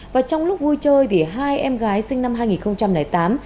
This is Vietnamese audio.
và trong lúc vui chơi thì hai em gái sinh năm hai nghìn tám